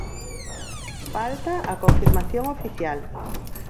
Falta a confirmación oficial.